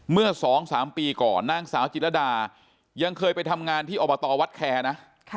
เมื่อ๒๓ปีก่อนนางสาวจิรดายังเคยไปทำงานที่อบตวัดแคร์นะ